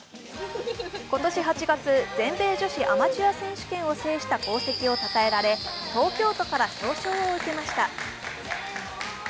今年８月、全米女子アマチュア選手権を制した功績をたたえられ東京都から表彰を受けました。